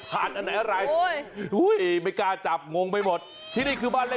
ไม่ดิฉันปิดไว้เลย